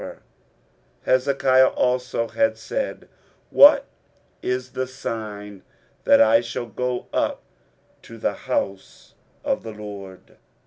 23:038:022 Hezekiah also had said, What is the sign that I shall go up to the house of the LORD?